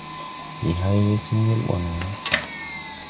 Ndi hay we tii ŋgel ɓɔ no...